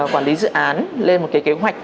quản lý dự án lên một cái kế hoạch